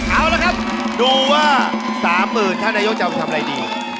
เอาละครับดูว่าสามหมื่นท่านนโยคจะเอาไปทำไรดี